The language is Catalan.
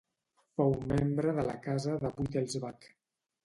Fou membre de la Casa de Wittelsbach.